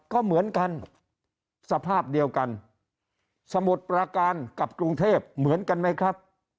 ก็เหมือนกันสภาพเดียวกันสมุดประการกับกรุงเทพเหมือนกันไหมครับ